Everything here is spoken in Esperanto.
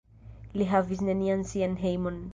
Li havis nenian sian hejmon.